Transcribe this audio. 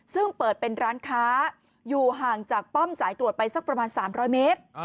ซึ่งเปิดเป็นร้านค้าอยู่ห่างจากป้อมสายตรวจไปสักประมาณ๓๐๐เมตร